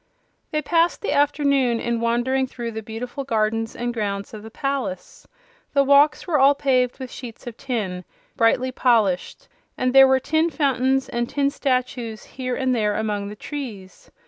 They passed the afternoon in wandering through the beautiful gardens and grounds of the palace. The walks were all paved with sheets of tin, brightly polished, and there were tin fountains and tin statues here and there among the trees.